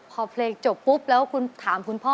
พอเพลงจบปุ๊บแล้วคุณถามคุณพ่อ